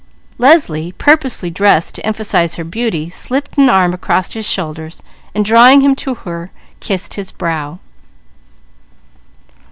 Leslie purposely dressed to emphasize her beauty, slipped an arm across his shoulders and drawing him to her kissed his brow.